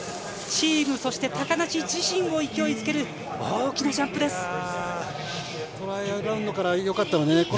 チームそして高梨自身を勢いづける大きなジャンプです。